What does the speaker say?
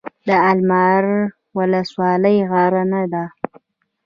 د المار ولسوالۍ غرنۍ ده